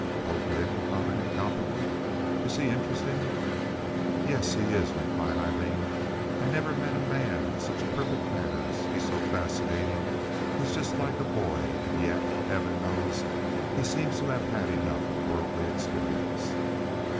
"Polk Lynde?" commented Cowperwood. "Is he interesting?" "Yes, he is," replied Aileen. "I never met a man with such perfect manners. He's so fascinating. He's just like a boy, and yet, Heaven knows, he seems to have had enough worldly experience."